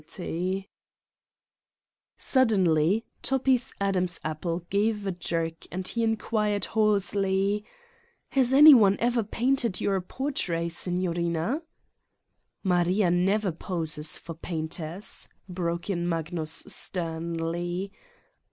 37 Satan's Diary Suddenly Toppi 's Adam's apple gave a jei and lie inquired hoarsely: "Has any one ever painted your portrait, Sig norinaf" "Maria never poses for painters!" broke in Magnus sternly.